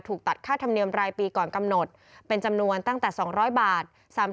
ตัดค่าธรรมเนียมรายปีก่อนกำหนดเป็นจำนวนตั้งแต่๒๐๐บาท